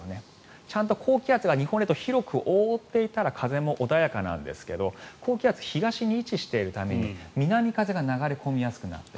ちゃんと高気圧が日本列島を広く覆っていたら風も穏やかなんですが高気圧東に位置しているために南風が流れ込みやすくなった。